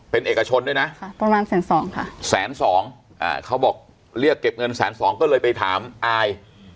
เป็นเอกชนด้วยนะค่ะประมาณแสนสองค่ะแสนสองอ่าเขาบอกเรียกเก็บเงินแสนสองก็เลยไปถามอาย